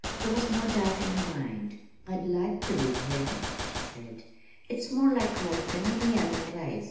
There was no doubt in her mind. "I'd like to live here," she said. "It's more like home than any other place.